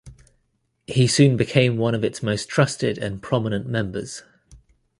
He soon became one of its most trusted and prominent members.